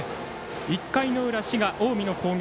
１回の裏、滋賀の近江の攻撃。